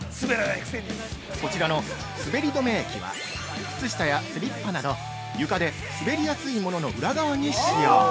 ◆こちらのすべり止め液は靴下やスリッパなど床で滑りやすいものの裏側に使用。